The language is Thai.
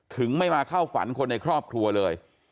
ไม่มาเข้าฝันคนในครอบครัวเลย